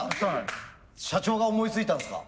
社長が思いついたんですか？